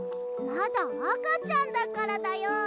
まだあかちゃんだからだよ。